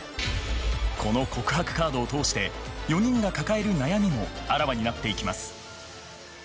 この告白カードを通して４人が抱える悩みもあらわになっていきます。